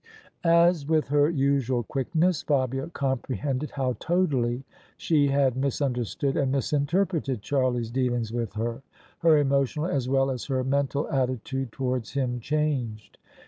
As with her usual quickness Fabia comprehended how totally she had misunderstood and misinterpreted Charlie's dealings with her, her emotional as well as her mental atti tude towards him changed.